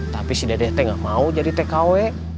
tapi si dede t gak mau jadi tkw